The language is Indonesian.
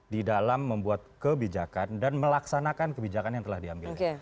di dalam membuat kebijakan dan melaksanakan kebijakan yang telah diambil